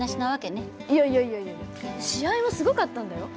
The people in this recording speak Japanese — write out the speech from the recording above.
いやいやいやいや試合もすごかったんだよ。